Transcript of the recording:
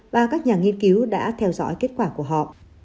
và các nhà nghiên cứu đã theo dõi kết quả của họ